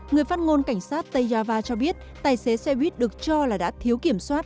người phát ngôn cảnh sát tây yava cho biết tài xế xe buýt được cho là đã thiếu kiểm soát